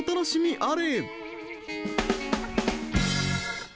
あれ？